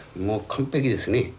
もう完璧ですね。